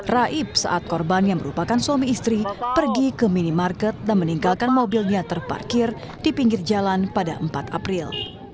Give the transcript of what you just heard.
raib saat korban yang merupakan suami istri pergi ke minimarket dan meninggalkan mobilnya terparkir di pinggir jalan pada empat april